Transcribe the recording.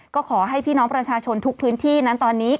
ก็ขอให้พี่น้องประชาชนทุกพื้นที่นั้นตอนนี้